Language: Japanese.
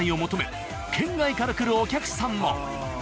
県外から来るお客さんも。